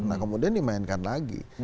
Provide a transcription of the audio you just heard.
nah kemudian dimainkan lagi